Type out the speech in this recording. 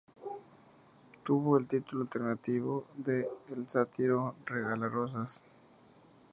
Tuvo el título alternativo de "El sátiro regala rosas".